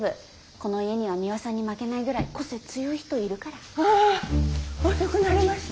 この家にはミワさんに負けないぐらい個性強い人いるから。はあ遅くなりました。